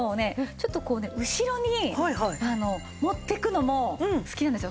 ちょっとこうね後ろに持ってくのも好きなんですよ。